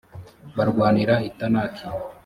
barwanira i tanaki